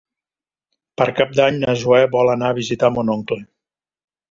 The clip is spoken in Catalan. Per Cap d'Any na Zoè vol anar a visitar mon oncle.